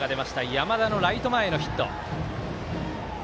山田のライト前へのヒット。